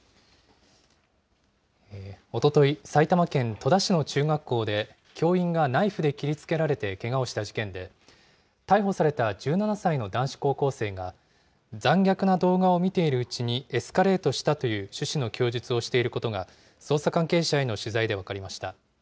おととい、埼玉県戸田市の中学校で、教員がナイフで切りつけられてけがをした事件で、逮捕された１７歳の男子高校生が、残虐な動画を見ているうちにエスカレートしたという趣旨の供述をしていることが、捜査関係者への取材で分かりました。